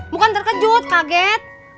bukan terkejut kaget